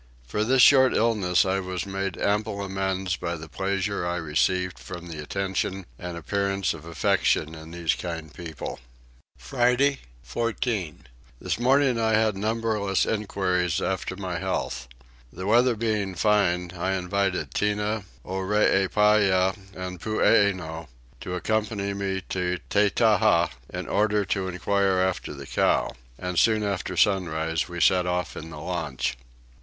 For this short illness I was made ample amends by the pleasure I received from the attention and appearance of affection in these kind people. Friday 14. This morning I had numberless enquiries after my health. The weather being fine I invited Tinah, Oreepyah, and Poeeno, to accompany me to Tettaha in order to enquire after the cow; and soon after sunrise we set off in the launch.